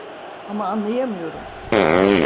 Ama anlayamıyorum.